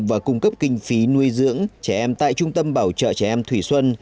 và cung cấp kinh phí nuôi dưỡng trẻ em tại trung tâm bảo trợ trẻ em thủy xuân